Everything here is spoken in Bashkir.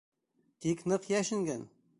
Тик ныҡ йәшенгән!